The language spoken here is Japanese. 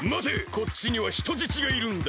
こっちにはひとじちがいるんだ。